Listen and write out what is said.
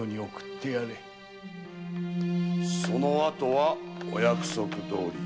そのあとはお約束どおり。